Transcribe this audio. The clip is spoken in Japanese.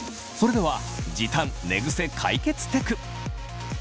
それでは時短寝ぐせ解決テク！